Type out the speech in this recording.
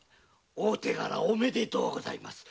大手柄おめでとうございます。